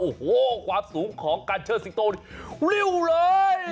โอ้โหความสูงของการเชิดสิงโตนี่ริ้วเลย